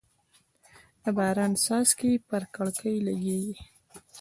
د باران څاڅکي پر کړکۍ لګېږي.